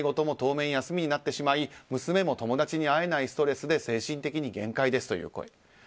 習い事も当面休みになってしまい娘も友達に会えないストレスで精神的に限界ですという声。